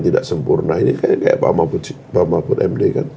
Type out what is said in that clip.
tidak sempurna ini kayak pak mahfud md kan